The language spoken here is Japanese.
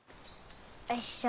よいしょ。